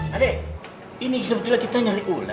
adik ini sebetulnya kita nyari ular